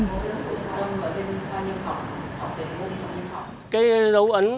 học về ngôn ngữ học sinh học